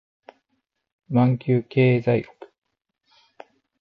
マンキュー経済学